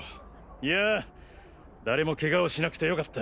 いや誰もケガをしなくてよかった。